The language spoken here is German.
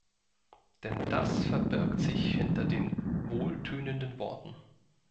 Denn das verbirgt sich hinter den wohltönenden Worten.